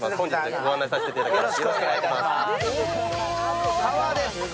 ご案内させていただきます。